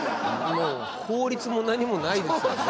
もう法律も何もないですよね